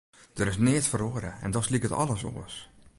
Der is neat feroare en dochs liket alles oars.